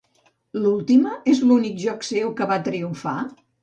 L'Ultima és l'únic joc seu que va triomfar?